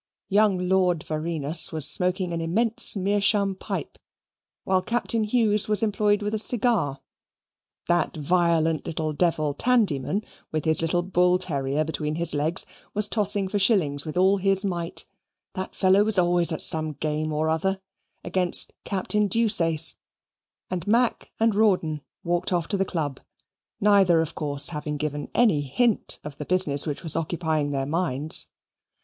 Young Lord Varinas was smoking an immense Meerschaum pipe, while Captain Hugues was employed with a cigar: that violent little devil Tandyman, with his little bull terrier between his legs, was tossing for shillings with all his might (that fellow was always at some game or other) against Captain Deuceace; and Mac and Rawdon walked off to the Club, neither, of course, having given any hint of the business which was occupying their minds.